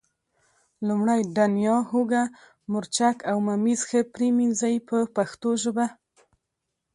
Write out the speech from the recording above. لومړی دڼیا، هوګه، مرچک او ممیز ښه پرېمنځئ په پښتو ژبه.